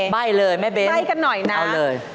ใบ้เลยแม่เบนใบ้กันหน่อยนะเอาเลย